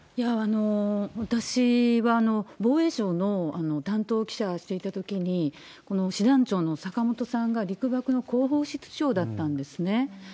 私は防衛省の担当記者をしていたときに、この師団長の坂本さんが陸幕の広報室長だったんですね。